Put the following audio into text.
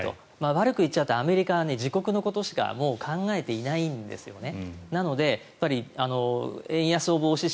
悪く言っちゃうとアメリカは自国のことしか考えてないんですね。